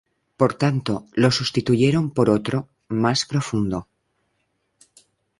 Por tanto lo sustituyeron por otro, más profundo.